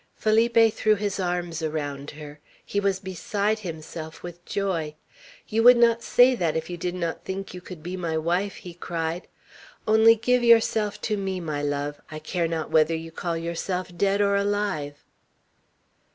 Felipe threw his arms around her. He was beside himself with joy. "You would not say that if you did not think you could be my wife," he cried. "Only give yourself to me, my love, I care not whether you call yourself dead or alive!"